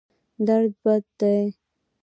درد بد دی.